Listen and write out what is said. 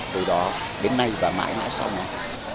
từ đó đến nay và mãi mãi sau này